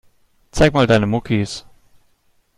Zeig mal deine Muckis.